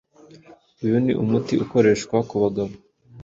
Uyu ni umuti ukoreshwa ku bagabo